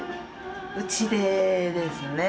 うちでですね。